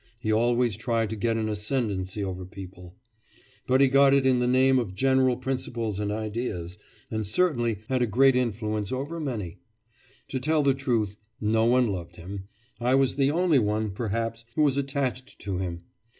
He always tried to get an ascendency over people, but he got it in the name of general principles and ideas, and certainly had a great influence over many. To tell the truth, no one loved him; I was the only one, perhaps, who was attached to him.